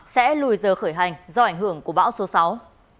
sẽ lùi giờ khởi hành do ảnh hưởng của bão số sáu